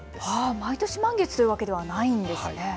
毎年満月というわけではないんですね。